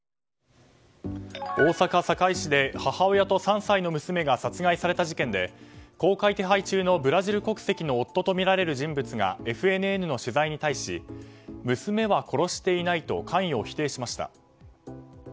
大阪・堺市で母親と３歳の娘が殺害された事件で公開手配中のブラジル国籍の夫とみられる人物がＦＮＮの取材に対し娘は殺していないと関与を否定しました。